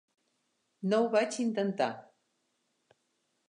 No ho vaig intentar.